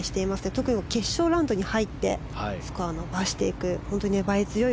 特に決勝ラウンドに入ってスコアを伸ばしていく粘り強い